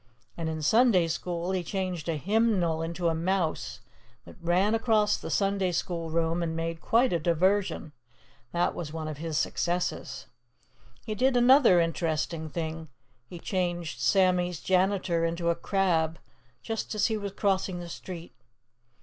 And in Sunday school he changed a hymnal into a mouse that ran across the Sunday school room and made quite a diversion. That was one of his successes. He did another interesting thing. He changed Sammy's janitor into a crab just as he was crossing the street.